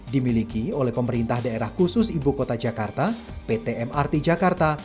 dimiliki oleh pemerintah daerah khusus ibu kota jakarta pt mrt jakarta